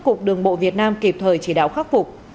cục đường bộ việt nam kịp thời chỉ đạo khắc phục